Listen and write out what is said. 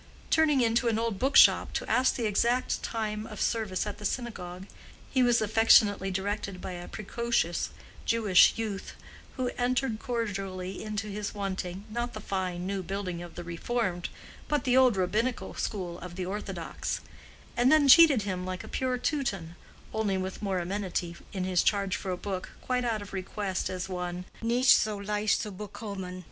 Turning into an old book shop to ask the exact time of service at the synagogue, he was affectionately directed by a precocious Jewish youth, who entered cordially into his wanting, not the fine new building of the Reformed but the old Rabbinical school of the orthodox; and then cheated him like a pure Teuton, only with more amenity, in his charge for a book quite out of request as one "nicht so leicht zu bekommen."